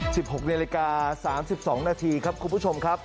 ๑๖นิดนาฬิกา๓๒นาทีครับคุณผู้ชมครับ